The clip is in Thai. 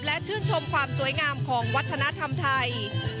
และชื่นชมความสวยงามของวัฒนธรรมไทย